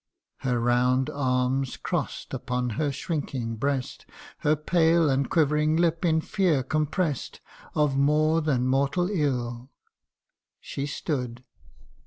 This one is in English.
Her round arms cross'd upon her shrinking breast, Her pale and quivering lip in fear compress 'd Of more than mortal ill, She stood.